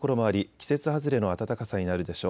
季節外れの暖かさになるでしょう。